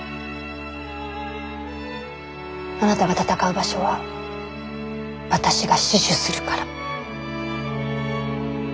あなたが闘う場所は私が死守するから。